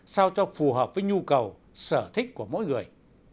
sao cho phù hợp với nhu cầu sở thích của mỗi người